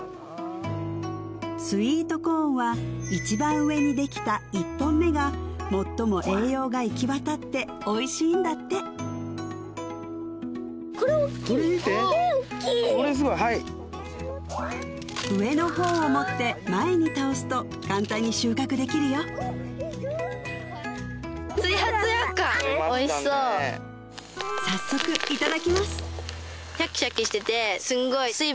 スイートコーンは一番上にできた１本目が最も栄養が行き渡っておいしいんだってこれ見てこれすごいはい上の方を持って前に倒すと簡単に収穫できるよ早速いただきます